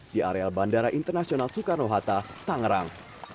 di areal bandara internasional soekarno hatta tangerang